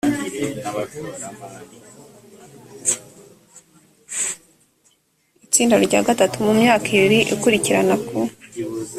itsinda rya gatatu mu myaka ibiri ikurikirana ku